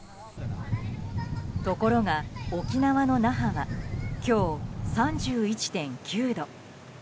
ところが沖縄の那覇は今日３１．９度。